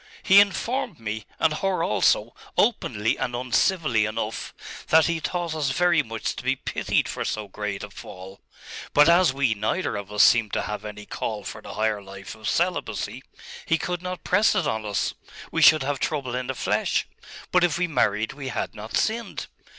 He informed me, and her also, openly and uncivilly enough, that he thought us very much to be pitied for so great a fall.... But as we neither of us seemed to have any call for the higher life of celibacy, he could not press it on us.... We should have trouble in the flesh. But if we married we had not sinned.